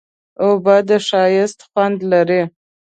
اوبه د ښایست خوند لري.